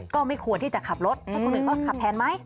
ก็ไม่ควรที่จะขับรถให้คนอื่นเขาขับแทนไหม